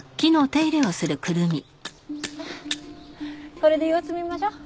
これで様子見ましょう。